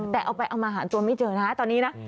แต่เอาไปเอามาหาตัวไม่เจอนะตอนนี้นะ